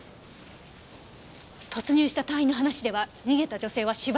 突入した隊員の話では逃げた女性は縛られていたわ。